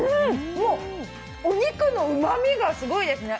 もうお肉のうまみがすごいですね！